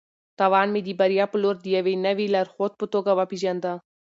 تاوان مې د بریا په لور د یوې نوې لارښود په توګه وپېژانده.